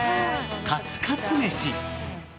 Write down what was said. カツカツ飯。